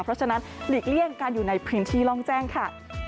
เพราะฉะนั้นหลีกเลี่ยงการอยู่ในพื้นที่ร่องแจ้งค่ะ